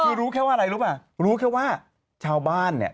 คือรู้แค่ว่าอะไรรู้ป่ะรู้แค่ว่าชาวบ้านเนี่ย